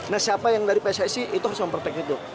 nah siapa yang dari pssi itu harus memprotek itu